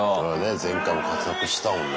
前回も活躍したもんね。